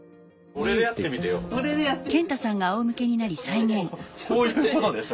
こういうことでしょ？